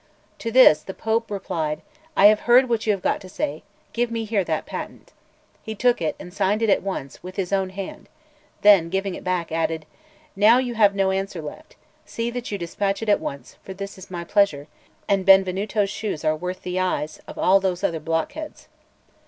To this the Pope replied; "I have heard what you have got to say; give me here that patent." He took it, and signed it at once with his own hand; then, giving it back, added: "Now, you have no answer left; see that you dispatch it at once, for this is my pleasure; and Benvenuto's shoes are worth more than the eyes of all those other blockheads."